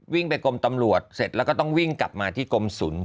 ไปกรมตำรวจเสร็จแล้วก็ต้องวิ่งกลับมาที่กรมศูนย์